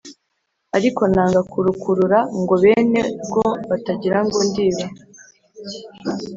ariko nanga kurukurura ngo bene rwo batagirango ndiba !